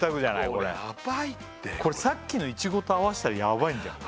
これヤバいってこれこれさっきのいちごと合わせたらヤバいんじゃない？